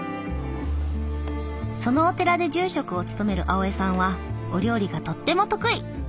そのお寺で住職を務める青江さんはお料理がとっても得意。